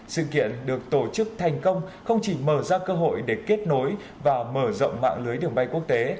sự kiện được tổ chức thành công không chỉ mở ra cơ hội để kết nối và mở rộng mạng lưới đường bay quốc tế